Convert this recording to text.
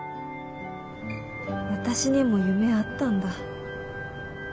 私にも夢あったんだ。